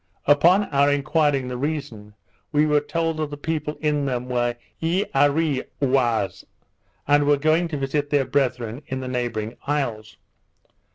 On our enquiring the reason, we were told that the people in them were Eareeois, and were going to visit their brethren in the neighbouring isles.